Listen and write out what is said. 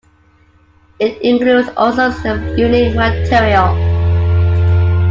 It includes also some unique material.